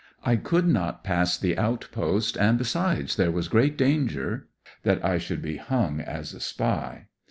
I could not pass the outpost, and besides, there was great danger that I should be hung as a spy.